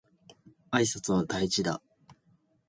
挨拶は大事だ